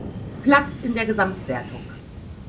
Platz in der Gesamtwertung.